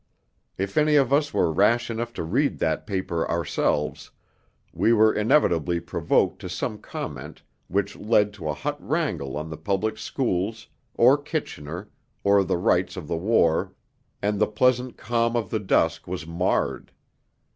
If any of us were rash enough to read that paper ourselves, we were inevitably provoked to some comment which led to a hot wrangle on the Public Schools, or Kitchener, or the rights of the war, and the pleasant calm of the dusk was marred.